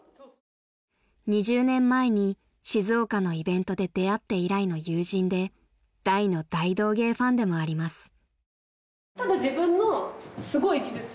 ［２０年前に静岡のイベントで出会って以来の友人で大の大道芸ファンでもあります］